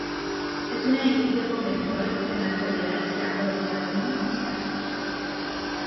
Es un edificio conventual que en la actualidad se ha aprovechado como hostal.